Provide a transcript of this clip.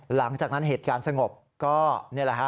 หลังจากนั้นเหตุการณ์สงบก็นี่แหละฮะ